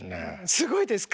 すごいですか？